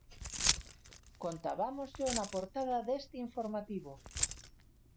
Contabámosllo na portada deste informativo.